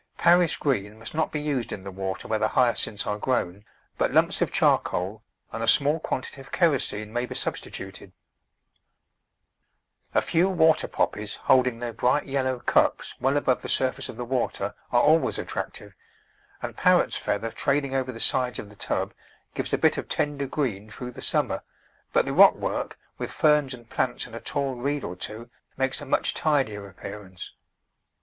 Paris green must not be used in the water where the Hyacinths are grown, but lumps of charcoal and a small quantity of kero sene may be substituted. A few Water Poppies holding their bright yellow Digitized by Google A FULL BLOWN CAT TAIL Digitized by Google Digitized by Google Fourteen] &qttattC0 I7» cups well above the surface of the water are always attractive, and Parrot's Feather trailing over the sides of the tub gives a bit of tender green through the summer, but the rockwork, with ferns and plants and a tall reed or two, makes a much tidier appearance.